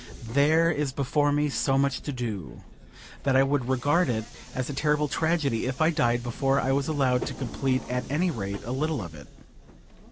There is before me so much to do, that I would regard it as a terrible tragedy if I died before I was allowed to complete at any rate a little of it.